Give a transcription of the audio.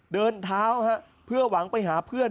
เดินเท้าเพื่อหวังไปหาเพื่อน